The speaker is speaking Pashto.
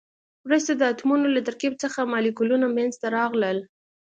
وروسته د اتمونو له ترکیب څخه مالیکولونه منځ ته راغلل.